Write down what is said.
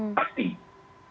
memang penting pasti